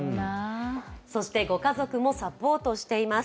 そしてご家族もサポートしています。